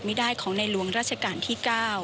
ไม่ได้ของในหลวงราชการที่๙